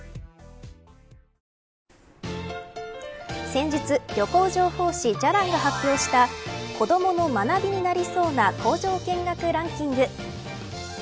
先日旅行情報誌じゃらんが発表した子どもの学びになりそうな工場見学ランキング。